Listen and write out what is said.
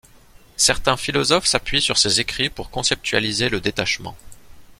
Certains philosophes s'appuient sur ses écrits pour conceptualiser le détachement.